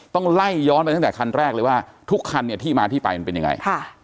ต้องไล่ย้อนไปตั้งแต่คันแรกเลยว่าทุกคันเนี่ยที่มาที่ไปมันเป็นยังไง